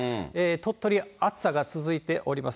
鳥取、暑さが続いております。